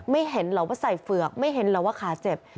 ไม่เห็นหรอกว่าใส่เฝือกไม่เห็นหรอกว่าขาเจ็บ